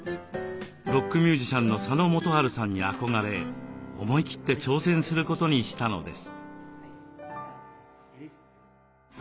ロックミュージシャンの佐野元春さんに憧れ思い切って挑戦することにしたのです。